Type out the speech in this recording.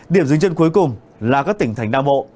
điểm dính chân cuối cùng là các tỉnh thành đa bộ